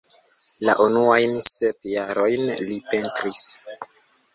La unuajn sep jarojn li pentris.